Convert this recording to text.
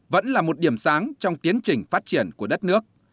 vẫn là một điểm sáng trong tiến trình phát triển của đất nước